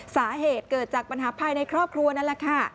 สาเหตุเกิดจากปัญหาภายในครอบครัวนั่นแหละค่ะ